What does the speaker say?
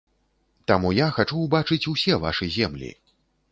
Таму я хачу ўбачыць усе вашы землі.